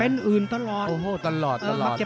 เป็นอื่นตลอด